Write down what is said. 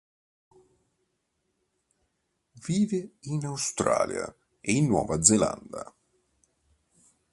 Vive in Australia e in Nuova Zelanda.